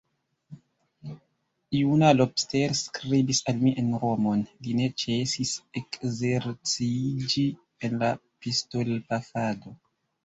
Juna Lobster skribis al mi en Romon; li ne ĉesis ekzerciĝi en la pistolpafado.